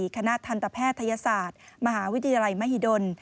คณะทันตแพทยศาสตร์มหาวิทยาลัยมหิดล